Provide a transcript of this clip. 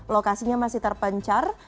lokasinya masih terpencar